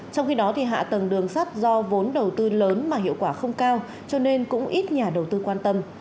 trong khi đó hạ tầng đường sắt do vốn đầu tư lớn mà hiệu quả không cao cho nên cũng ít nhà đầu tư quan tâm